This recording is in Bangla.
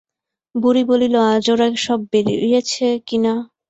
বুড়ি বলিল, আজ ওঁরা সব বেবিয়েচেন কিনা?